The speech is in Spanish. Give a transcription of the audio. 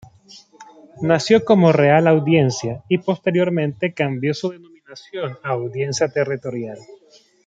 Nació como Real Audiencia y posteriormente cambió su denominación a Audiencia Territorial.